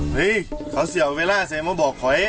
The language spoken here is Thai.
เฮ้ยเขาเสี่ยวเวลาเสร็จมาบอกถอย